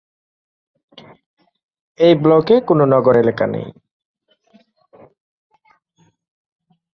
এই ব্লকে কোনো নগর এলাকা নেই।